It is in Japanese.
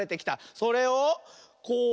それをこう。